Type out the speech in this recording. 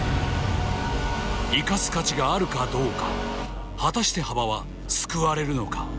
生かす価値があるかどうか果たして羽場は救われるのか？